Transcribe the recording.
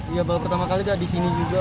ya baru pertama kali di sini juga